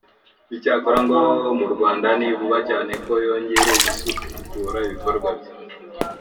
icyakora ngo no mu Rwanda ni vuba cyane ko yongeye gusubukura ibikorwa bye